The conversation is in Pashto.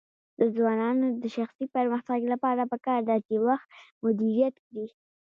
د ځوانانو د شخصي پرمختګ لپاره پکار ده چې وخت مدیریت کړي.